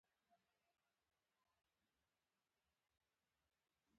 دلته څوک چای بې بغلاوې نه څښي.